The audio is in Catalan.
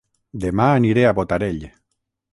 Dema aniré a Botarell